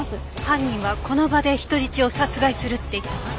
犯人はこの場で人質を殺害するって言ったわ。